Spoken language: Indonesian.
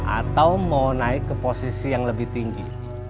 atau mau naik ke posisi yang lebih tinggi